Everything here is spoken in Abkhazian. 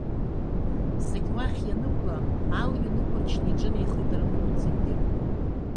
Зегь уахь ианықәла алҩа нықәырчны иҿынеихеит арныҟәцаҩгьы.